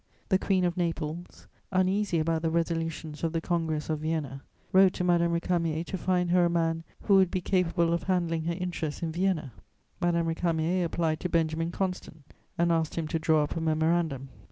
The Queen of Naples, uneasy about the resolutions of the Congress of Vienna, wrote to Madame Récamier to find her a man who would be capable of handling her interests in Vienna. Madame Récamier applied to Benjamin Constant and asked him to draw up a memorandum.